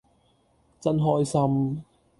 真開心